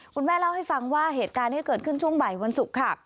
คุณแม่เล่าให้ฟังว่าเหตุการณ์นี้เกิดขึ้นช่วงบ่ายวันศุกร์ค่ะ